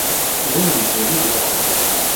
D ayen kan i ilaqen.